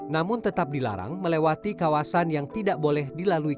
namun tetap dilarang melewati kawasan yang tidak boleh dilalui